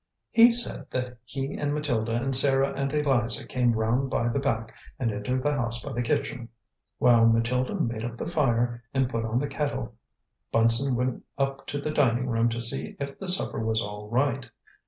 "He said that he and Matilda and Sarah and Eliza came round by the back and entered the house by the kitchen. While Matilda made up the fire and put on the kettle, Bunson went up to the dining room to see if the supper was all right.